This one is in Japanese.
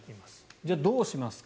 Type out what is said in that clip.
じゃあ、どうしますか。